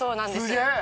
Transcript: すげえ！